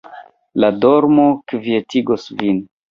La dormo kvietigos vin.